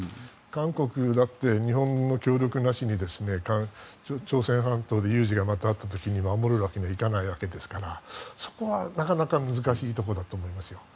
韓国だって日本の協力なしに朝鮮半島で有事があった時に守るわけにはいかないわけですからそこはなかなか難しいところだと思いますよ。